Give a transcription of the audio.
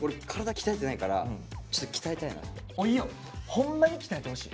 ホンマに鍛えてほしい。